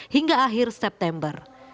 hingga akhir september